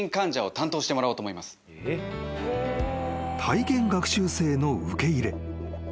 ［体験学習生の受け入れ］